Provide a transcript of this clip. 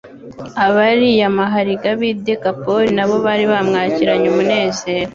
Abariyamahariga b'i Dekapoli nabo bari bamwakiranye umunezero.